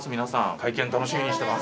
会見楽しみにしてます。